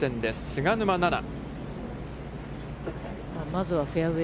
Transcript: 菅沼菜々。